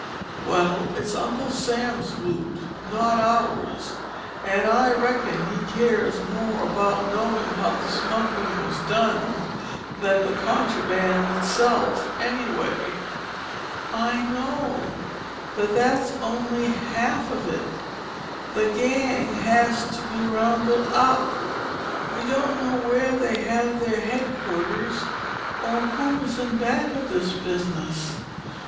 "Well, it's Uncle Sam's loot, not ours. And I reckon he cares more about knowing how the smuggling was done than the contraband itself, anyway." "I know. But that's only half of it. The gang has got to be rounded up. We don't know where they have their headquarters or who is in back of this business.